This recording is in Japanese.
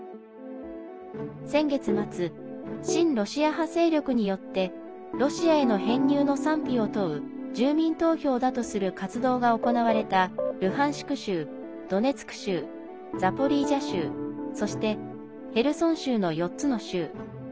先月末、親ロシア派勢力によってロシアへの編入の賛否を問う住民投票だとする活動が行われたルハンシク州、ドネツク州ザポリージャ州そしてヘルソン州の４つの州。